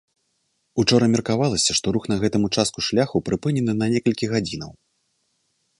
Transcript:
Учора меркавалася, што рух на гэтым участку шляху прыпынены на некалькі гадзінаў.